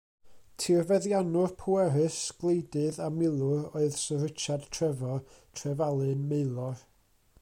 Tirfeddiannwr pwerus, gwleidydd a milwr oedd Syr Richard Trefor, Trefalun, Maelor.